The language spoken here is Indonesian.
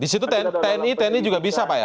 di situ tni tni juga bisa pak ya